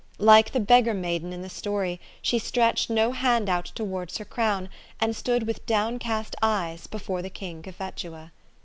Like the beggar maiden in the story, she stretched no hand out towards her crown, and stood with down cast eyes " before the King Cophetua."